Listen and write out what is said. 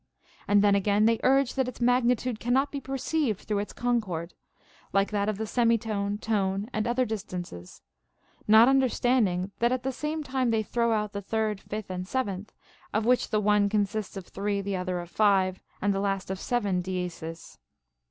And then again they urge that its magnitude cannot be perceived through its concord, like that of the semitone, tone, and other distances ; not under standing, that at the same time they throw out the third, fifth, and seventh, of which the one consists of three, the other of five, and the last of seven dieses.